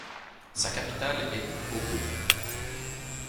Sa capitale est Obo.